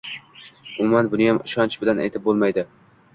umuman, buniyam ishonch bilan aytib bo‘lmaydi.